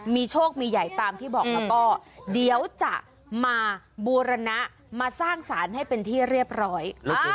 มีโชคมีใหญ่ตามที่บอกแล้วก็เดี๋ยวจะมาบูรณะมาสร้างสารให้เป็นที่เรียบร้อย